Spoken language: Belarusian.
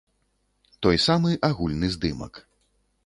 Той самы агульны здымак.